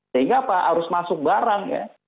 sehingga apa harus masuk barang ya